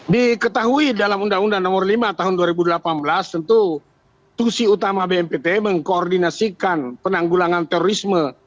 diketahui dalam undang undang nomor lima tahun dua ribu delapan belas tentu tusi utama bnpt mengkoordinasikan penanggulangan terorisme